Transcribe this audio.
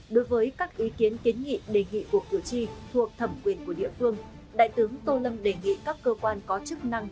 đối với các ý kiến kiến nghị đề nghị của cử tri thuộc thẩm quyền của địa phương đại tướng tô lâm đề nghị các cơ quan có chức năng